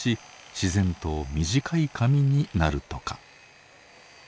自然と短い髪になるとか。